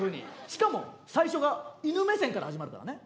しかも最初が犬目線から始まるからね。